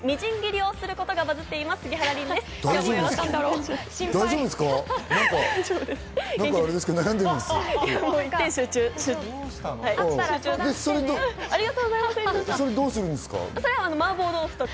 それをどうするんですか？